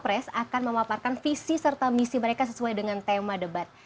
pres akan memaparkan visi serta misi mereka sesuai dengan tema debat